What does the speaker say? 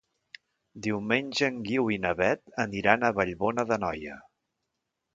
Diumenge en Guiu i na Beth aniran a Vallbona d'Anoia.